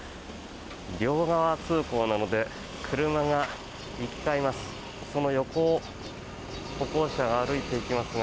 両側通行なので車が行き交います。